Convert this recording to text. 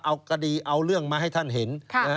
เอาคดีเอาเรื่องมาให้ท่านเห็น